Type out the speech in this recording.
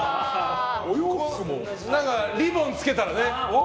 リボンをつけたらね。